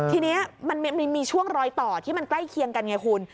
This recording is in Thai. ทีนี้มันมีช่วงรอยต่อที่มันใกล้เคียงกันไงคุณ